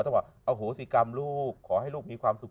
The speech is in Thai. เอาโหสิกรรมลูกขอให้ลูกมีความสุข